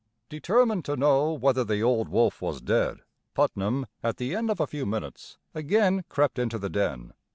Determined to know whether the old wolf was dead, Putnam, at the end of a few minutes, again crept into the den.